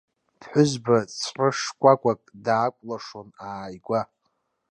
Ԥҳәызба ҵәрышкәак даақәлашон ааигәа.